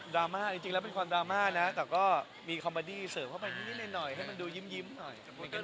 ราม่าจริงแล้วเป็นความดราม่านะแต่ก็มีคอมเบอร์ดี้เสริมเข้าไปนิดหน่อยให้มันดูยิ้มหน่อย